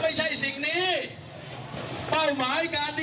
เป้าหมายการแสดงพลังของเรา